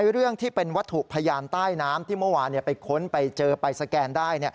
เรื่องที่เป็นวัตถุพยานใต้น้ำที่เมื่อวานไปค้นไปเจอไปสแกนได้